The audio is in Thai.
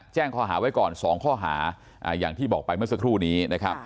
แจ้งข้อหาไว้ก่อน๒ข้อหาอย่างที่บอกไปเมื่อสักครู่นี้นะครับ